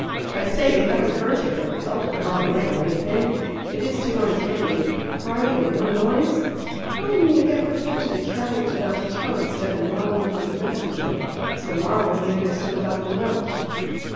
"I say, you haven't hurt it, or held it the wrong way, or anything; it is too uncanny crying and no noise. Why didn't you get Perfetta to carry it to the hotel instead of muddling with the messenger? It's a marvel he understood about the note."